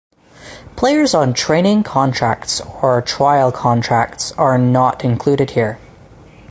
Players on training contracts or trial contracts are not included here.